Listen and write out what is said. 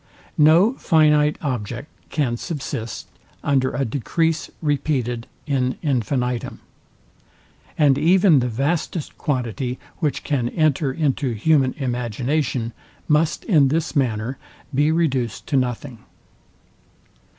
No finite object can subsist under a decrease repeated IN INFINITUM; and even the vastest quantity, which can enter into human imagination, must in this manner be reduced to nothing.